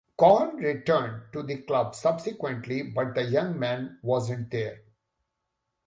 Cohn returned to the club subsequently but the young man wasn't there.